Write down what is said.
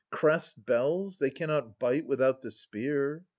Crests, bells — they cannot bite without the spear.